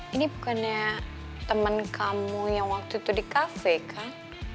ini bukannya teman kamu yang waktu itu di cafe kan